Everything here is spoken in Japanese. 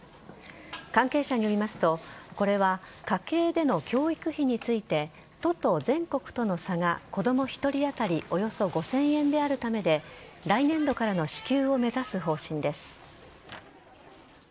関係者によりますとこれは家計での教育費について都と全国との差が子供１人当たりおよそ５０００円であるためで来年度からの支給を目指す方針です。